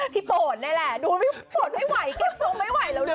พี่โปรดเนี่ยแหละดูพี่โปรดไม่ไหวเก็บส้มไม่ไหวแล้วลูก